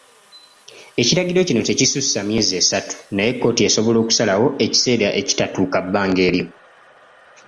Ekiragiro kino tekisuusa myezi esatu, naye kkooti esobola okusalawo ekiseera ekitatuuka bbanga eryo.